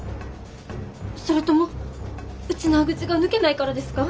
それともウチナーグチが抜けないからですか？